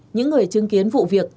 những người chứng kiến vụ việc